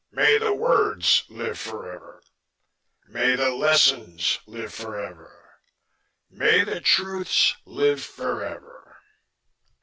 "May the words live forever. "May the lessons live forever. "May the truths live forever."